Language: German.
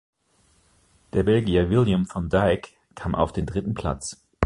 Der Belgier William Van Dijck kam auf den dritten Platz.